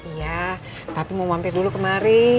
iya tapi mau mampir dulu kemari